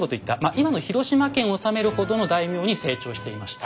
今の広島県を治めるほどの大名に成長していました。